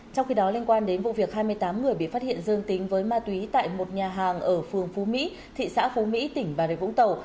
trong khi đó liên quan đến vụ việc hai mươi tám người bị phát hiện dương tính với ma túy tại một nhà hàng ở phường phú mỹ thị xã phú mỹ tỉnh bà rịa vũng tàu